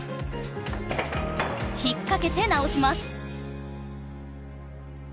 引っ掛けて直します。